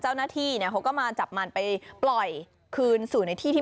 เจ้าหน้าที่เนี่ยเขาก็มาจับมันไปปล่อยคืนสู่ในที่ที่